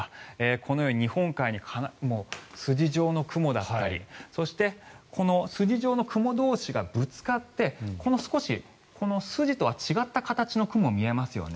このように日本海に筋状の雲だったりそしてこの筋状の雲同士がぶつかってこの少しこの筋とは違った雲が見えますよね。